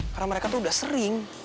karena mereka tuh udah sering